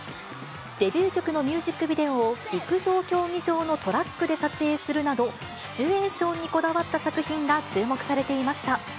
デビュー曲のミュージックビデオを陸上競技場のトラックで撮影するなど、シチュエーションにこだわった作品が注目されていました。